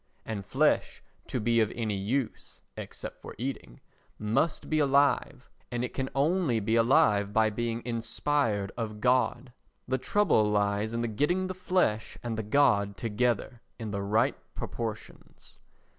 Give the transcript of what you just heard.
And flesh to be of any use (except for eating) must be alive, and it can only be alive by being inspired of God. The trouble lies in the getting the flesh and the God together in the right proportions.